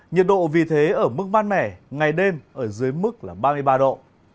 nhiệt độ vì thế ở mức ban mẻ ngày đêm ở dưới mức là ba mươi ba độ